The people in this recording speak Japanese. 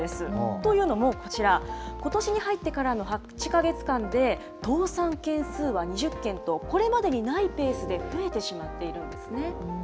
というのもこちら、ことしに入ってからの８か月間で、倒産件数は２０件と、これまでにないペースで増えてしまっているんですね。